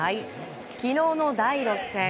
昨日の第６戦。